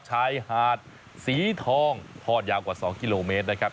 ชายหาดสีทองทอดยาวกว่า๒กิโลเมตรนะครับ